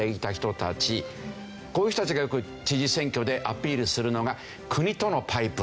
こういう人たちがよく知事選挙でアピールするのが国とのパイプ。